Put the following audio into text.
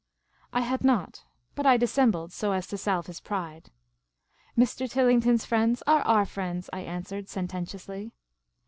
I had not ; but I dissembled, so as to salve his pride. " Mr. Tillington's friends are i;«r friends, " I answered, sen tentiously.